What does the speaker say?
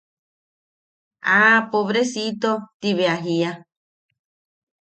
¡Ah! Pobrecito– ti bea jiia.